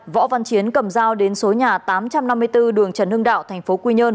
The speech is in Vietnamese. võ văn chiến cầm giao đến số nhà tám trăm năm mươi bốn đường trần hưng đạo tp thq